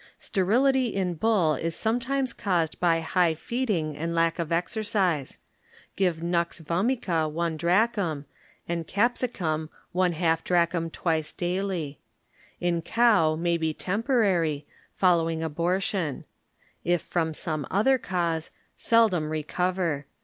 Stebiuty in bull is sometimes caused b^ high feeding and lack of exercise. Give nux vomica one drachm and cap sicum one half drachm once daily. In cow may be temporary, following abor tion; it from other cause, seldom re cover.